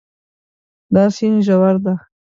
دا سیند ژور ده